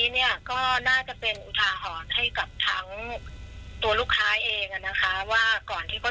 เนี่ยก็น่าจะเป็นอุทาหรณ์ให้กับทั้งตัวลูกค้าเองอ่ะนะคะว่าก่อนที่เขา